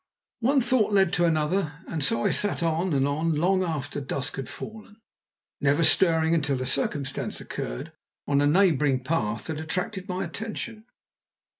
One thought led to another, and so I sat on and on long after dusk had fallen, never stirring until a circumstance occurred on a neighbouring path that attracted my attention.